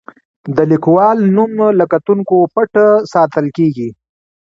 د لیکوال نوم له کتونکو پټ ساتل کیږي.